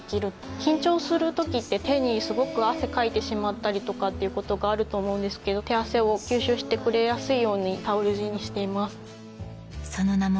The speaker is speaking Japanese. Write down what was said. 緊張する時って手にすごく汗かいてしまったりとかっていうことがあると思うんですけど手汗を吸収してくれやすいようにタオル地にしています。